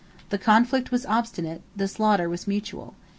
The conflict was obstinate; the slaughter was mutual.